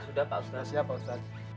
sudah pak ustaz siap pak ustaz